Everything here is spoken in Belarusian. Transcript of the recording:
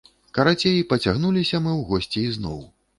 Карацей, пацягнуліся мы у госці ізноў.